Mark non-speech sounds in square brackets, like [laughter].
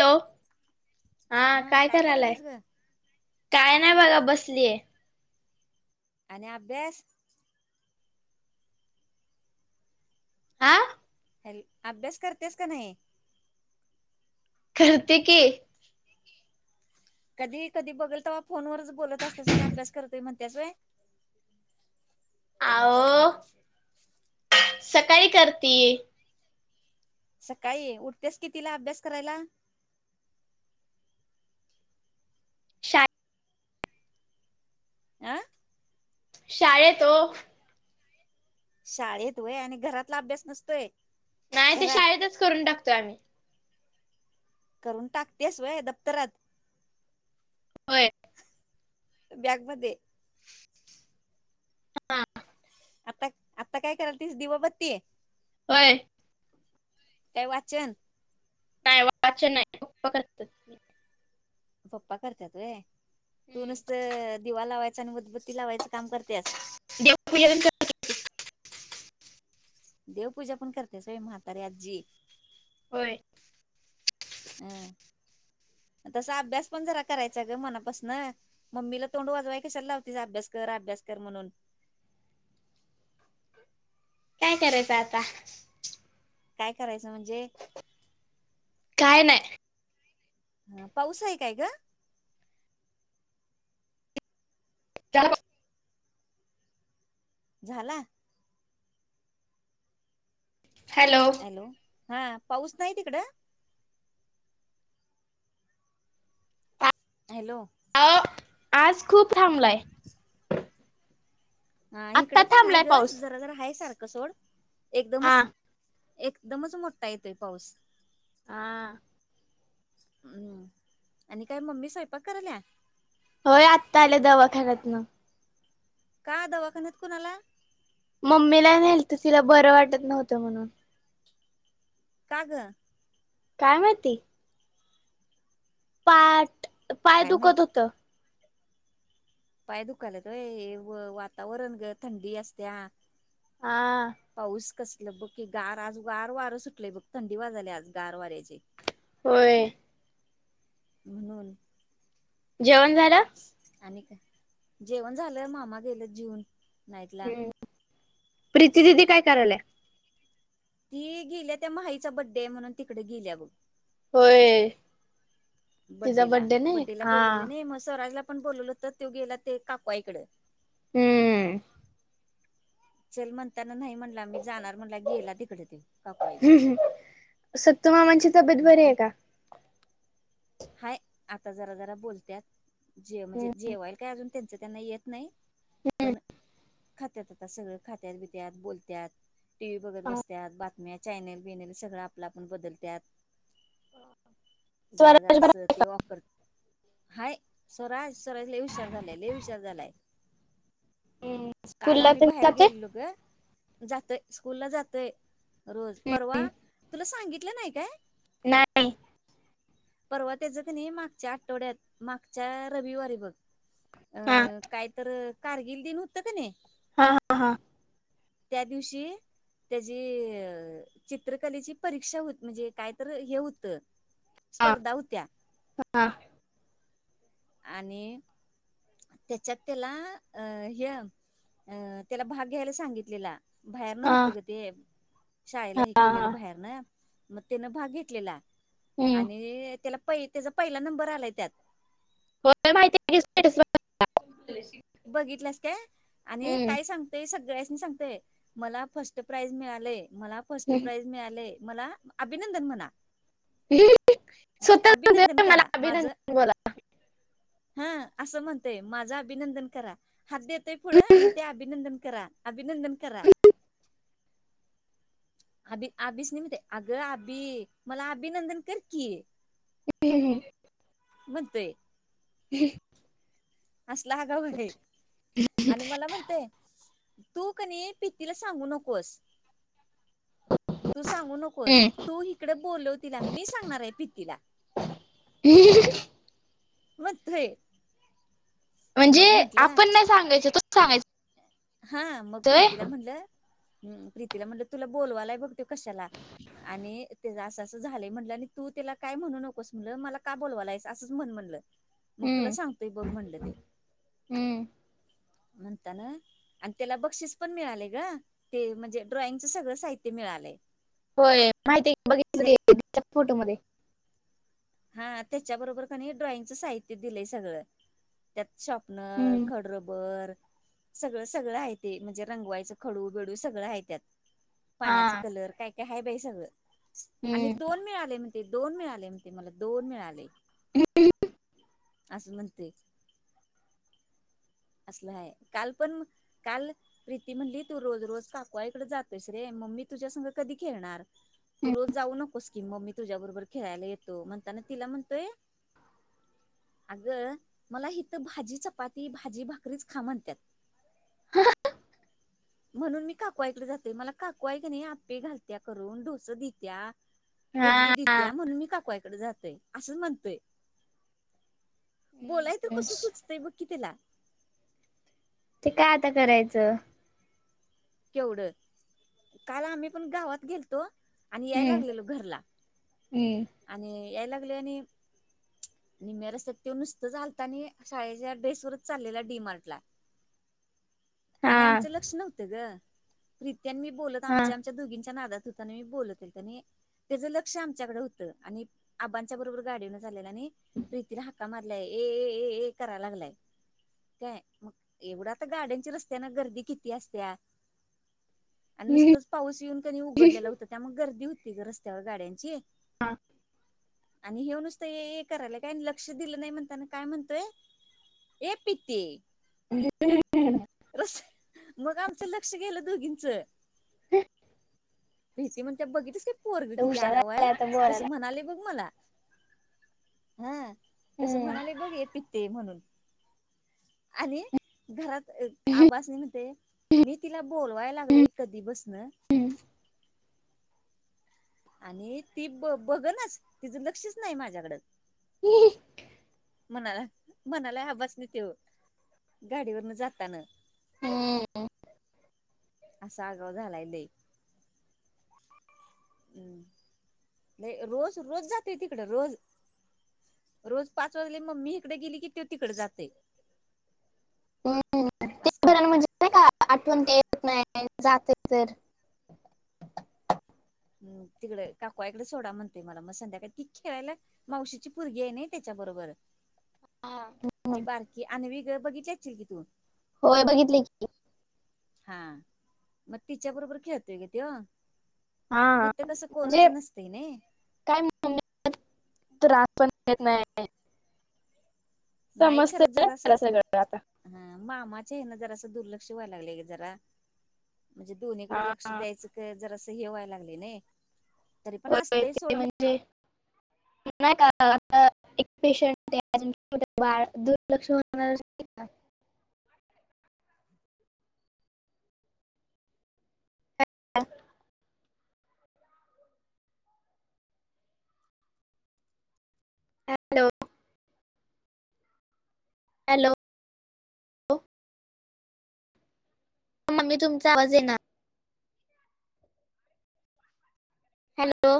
Hello हा काय करायलाय? काय नाही बघा बसलीय. आणि अभ्यास आ हॅल अभ्यास करत्यास का नाही करते की कधी कधी बघल तेव्हा फोनवरच बोलत असत्यास आणि अभ्यास करतोय म्हणत्यास व्हय आओ सकाळी करती सकाळी उठतेस कितीला अभ्यास करायला शाळे आ शाळेत ओ शाळेत व्हय आणि घरातला अभ्यास नसतोय नाही ते घरात शाळेतच करून टाकतोय आम्ही करून टाकतेस व्हय दप्तरात व्हय बॅगमध्ये हा आता आता काय करालतीस दिवाबत्तीय होय काय वाचन काय वाचन नाय उभ करत्यात पप्पा करत्यात व्हय तू नुसत दिवा लावायचा आणि उदबत्ती लावायचं काम करत्यास देव पुजा तेन कर देवपूजा पण करत्यास व्हय म्हातारी आज्जी होय अं तसा अभ्यास पण जरा करायचा ग मनापासन मम्मीला तोंड वाजवाय कशाला लावतीस अभ्यास कर अभ्यास कर म्हणून काय करायचं आता काय करायचं म्हणजे काय नाय हा पाऊस आहे काय ग [inaudible] झाला हॅलो हॅलो हा पाऊस नाही तिकडं हॅलो आओ आज खूप थांबलाय हा इकड आत्ता पण हाय थांबलाय ग पाऊस जरा जरा हाय सारखं सोड हा एकदमच एकदमच मोठा येतोय पाऊस हा हम्म आणि काय मम्मी स्वयंपाक कराल्या होय आत्ता आल्या दवाखान्यातन का दवाखान्यात कुणाला मम्मीला नेलत तिला बरं वाटत नव्हतं म्हणून का गं काय माहिती? पाठ, पाय काय माहित दुखत होत. पाय दुखाल्यात व्हय, हे व वातावरण ग थंडी असत्या हा. पाऊस कसल बघ की, गार आज गार वार सुटलंय बघ, थंडी वाजालिया आज गार वाऱ्याचे होय. म्हणून जेवण झालं? आणि काय, जेवण झालंय, मामा गेलं जीऊन हूम्म, प्रीती दिदी काय करालीया? ती गेलीया, त्या माहीचा बड्डे हाय म्हणून तिकडे गेल्या बघ. होय. तिचा बद्देला, बड्डे नाही बड्डेला हा बोलवले नाही मग, स्वराजला पण बोलवलं होत, तो गेला ते काकु आई इकड. हूम. चल म्हणताना नाही म्हणला, मी जाणार म्हणला गेला तिकडच हू हू सत्तूमामांची तब्येत मग बरी आता आहे का? हाय आता जरा जरा बोलत्यात, जे म्हणजे जे्वाय काय अजून तेच त्यांना येत नाही, पण खात्यात आता सगळं खात्यात, पीत्यात, बोलत्यात टी व्ही बघत बसत्यात, बातम्या चायनेल बीनेल सगळं आपल्या आपण बदलत्यात. स्वर जरा जरासं ते वॉकर हाय स्व, स्वराज लई हुशार झालाय, लई हुशार झालाय हूम् काल स्कूलला आम्ही तेन बाहेर जाते गेलेलो ग जातय स्कूल जातय रोज परवा, तुला सांगितलं नाही काय? नाही. परवा त्याचं क नी मागच्या आठवड्यात, मागच्या रविवारी बघ. अ हा काय तर कारगिल दिन हूतं का नी? हा हा हा. त्या दिवशी त्याजी अ चित्रकलेची परीक्षा होत म्हणजे काय तर हे होतं. हा स्पर्धा होत्या हा. आणि त्याच्यात त्याला अं ह अं त्याला भाग घ्यायला सांगितलेला. बाहेरन हा होतं ग ते, शाळेला हे हा केलेलं बाहेर न. म तेनं भाग घेतलेला हम्म आणि त्याला पहि त्याचा पहिला नंबर आलाय त्यात. व्हय माहिती हाय की, स्टेटस बघितला. बघितलास काय आणि काय हम्म सांगु ते सगळ्यांसनी सांगतय, मला फस्ट प्राइज मिळालय, मला फस्ट प्राइज मिळालंय. मला अभिनंदन म्हणा, म अभि स्वतः अभीनंदन मला करा माझ, अभिनंदन बोला हं अस म्हणतय माझ अभिनंदन करा, हात देतय पुढं आणि म्हणतय ते अभिनंदन करा, अभिनंदन करा. अभी आभीसनि म्हनतय, आगं आभी मला अभिनंदन कर की ह [unintelligible] म्हणतय. [unintelligible] असला आगाव आहे आणि मला म्हणतोय तू कणी पितीला सांगू नकोस. तू सांगू नकोस तू इकडे बोलल तिला मी सांगणार हाय पितीला [unintelligible] म्हणतोय म्हणजे मग म्हंटलं आपण नाय सांगायचं तोच सांगायच हा मग प्रीतीला म्हणलं हं प्रीतीला म्हटलं तुला बोलवालाय बघ त्यो कशाला आणि त्याज असं असं झालंय म्हणलं आणि तू त्याला काय म्हणू नकोस म्हणलं मला का बोलवालायस असंच म्हण म्हणलं मग तुला हम्म सांगतोय बघ म्हणलं त्यो हम्म म्हणता न आणि त्याला बक्षीस पण मिळालय ग ते म्हणजे ड्रॉइंगचं सगळं साहित्य मिळालंय. होय माहिती आहे [inaudible] ते बघितलं [inaudible] च्या फोटोमध्ये हा त्याच्याबरोबर कनी ड्रॉइंगचं साहित्य दिलंय सगळं त्यात शॉपनर, हम्म खडरबर सगळं सगळं हाय ते म्हणजे रंगवायचं खडू बीडू सगळं हाय त्यात पाण्याचा हा कलर काय काय हाय बाई सगळं आणि हम्म दोन मिळालय म्हणतंय दोन मिळालय म्हणते मला दोन मिळालय. [inaudible] असं म्हणतय असला हाय काल पण काल प्रीती म्हणली तू रोज रोज काकू आईकड जातोस रे म मी तुझ्यासंग कधी खेळणार तू रोज जाऊ नकोस की म मी तुझ्या बरोबर खेळायला येतो म्हणताना तिला म्हणतोय अगं मला हिथं भाजी चपाती भाजी भाकरीच खा म्हणत्यात [unintelligible] म्हणून मी काकूआईकड जातोय मला काकूआई कनाय आप्पे घालत्या करून डोस दित्या इडली हा दित्या म्हणून मी काकू आईकड जातय असंच म्हणतोय. बोलाय तर हम्म. कसं सुचतंय बघ की त्याला ते काय आता करायचं केवढ काल आम्ही पण गावात गेलतो आणि याय हम्म लागलेलो घरला हम्म आणि याय लागलोय आणि निम्या रस्त्यात ते नुसतच आलता आणि शाळेच्या ड्रेस वरच चाललेला डी- मार्टला आणि हा आमच लक्ष नव्हत ग प्रिती आणि मी बोलत हा आमच्या आम आमच्या दोघीच्यात नादात होतो आणि बोल तील त्यांनी त्याच लक्ष आमच्याकड होत आणि आबांच्या बरोबर गाडीवरण चाललेला आणि प्रीती न हाक हाका मारलाय ए ए ए ए कराय लागलाय. काय मग एवढं आता गाड्यांची रस्त्याना गर्दी किती असत्या आणि लय नुसतच पाऊस येऊन क नी उघडलेला होता त्यामुळ गर्दी होती ग रस्त्यावर गाड्यांची हा आणि ह्यो नुसत ए ए करालाय काय लक्ष दिल नाय म्हणताना काय म्हणतोय ए पीते रस मग आमचं लक्ष गेलं दोघींच [inaudible] प्रीती म्हणते बघितलस की पोरग किती हुशार आगाऊ आय. झालाय आता बोलायला म्हणाली बग मला हा कस हम्म. म्हणाले बघ ये पिते म्हणून आणि घरात आबासनी म्हणते, मी तिला बोलवायला लागलोय कधी पासन हम्म. आणि ती बगनास तिच लक्षच नाही माझ्याकड. [unintelligible] म्हणाला म्हणालाय आबांसनी तो गाडीवरन जाताना. हम्म असा आगाऊ झालाय लई. हम्म, नाही रोज रोज जातोय तिकडं रोज रोज पाच वाजले मम्मी इकड गेली की तो तिकड जातय. [unintelligible] असच क म्हणजे का आठवणकाय येत नाही जाते तर ह्म्म्म तिकड काकु आई कड सोडा म्हणतय मला मग संध्याकाळी ती खेळायला मावशीची पोरगी आहे ना त्याच्याबरोबर हा ती बारकी आणवी ग बघितली अशील की तू होय बघितले की. हा मग तिच्या बरोबर खेळतो ग तो. हा इथ कस कोणच म्हणजे नसतय नई. काय त्रास पण देत नाही. नाही समजत खरंच ग जरासं तिला सगळ आता हा मामाच्या हेन जरा दुर्लक्ष व्हायला लागलय ग जरा म्हणजे दोन्हीकड लक्ष हा द्यायच जरास हेवाय लागलय नाइ हो ते म्हणजे नाही का आता एक पेशंट आहे आणि त्यात एक छोट बाळ दुर्लक्ष होणारच नाही का? ह हॅलो हॅलो मामी तुमचा आवाज ये ना हॅलो